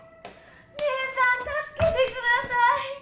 姐さん助けてください！